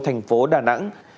thành phố đà nẵng